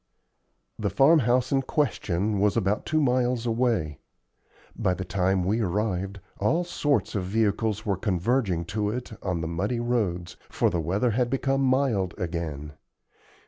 The farmhouse in question was about two miles away. By the time we arrived, all sorts of vehicles were converging to it on the muddy roads, for the weather had become mild again.